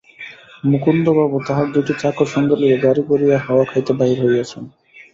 মুকুন্দবাবু তাঁহার দুইটি চাকর সঙ্গে লইয়া গাড়ি করিয়া হাওয়া খাইতে বাহির হইয়াছেন।